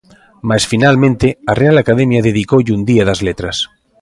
Mais finalmente a Real Academia dedicoulle un Día das Letras.